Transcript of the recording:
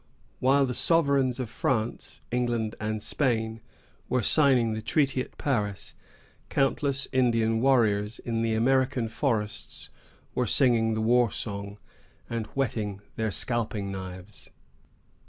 While the sovereigns of France, England, and Spain, were signing the treaty at Paris, countless Indian warriors in the American forests were singing the war song, and whetting their scalping knives.